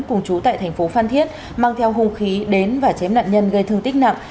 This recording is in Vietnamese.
cùng chú tại tp phan thiết mang theo hung khí đến và chém nạn nhân gây thương tích nặng